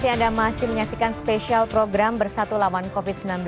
terima kasih anda masih menyaksikan spesial program bersatu lawan covid sembilan belas